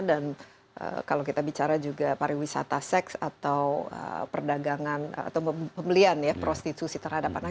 dan kalau kita bicara juga para wisata seks atau perdagangan atau pembelian ya prostitusi terhadap anak